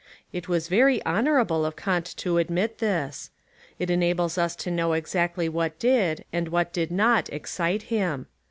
It was very honourable of Kant to ad mit this. It enables us to know exactly what did, and what did not, excite him.